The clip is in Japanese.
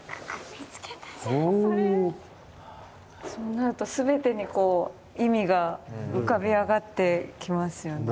そうなると全てにこう意味が浮かび上がってきますよね。